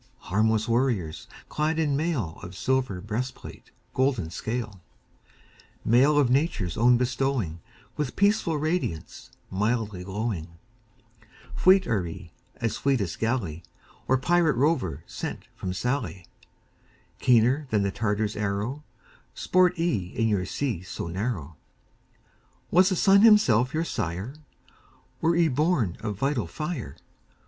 Harmless warriors, clad in mail Of silver breastplate, golden scale; Mail of Nature's own bestowing, With peaceful radiance, mildly glowing Fleet are ye as fleetest galley Or pirate rover sent from Sallee; Keener than the Tartar's arrow, Sport ye in your sea so narrow. Was the sun himself your sire? Were ye born of vital fire?